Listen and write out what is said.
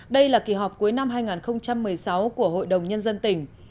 đây là kỳ họp cuối năm hai nghìn một mươi sáu của hội đồng nhân dân tỉnh